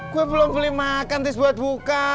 gue belum beli makan tis buat buka